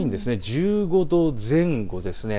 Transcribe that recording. １５度前後です。